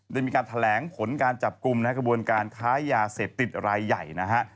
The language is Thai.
ได้มีการแถลงผลการจับกลุ่มนะฮะกระบวนการค้ายาเสพติดรายใหญ่นะฮะ